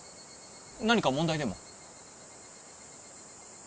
何か問題でも？